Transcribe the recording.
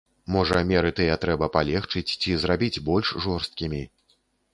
Можа, меры тыя трэба палегчыць ці зрабіць больш жорсткімі?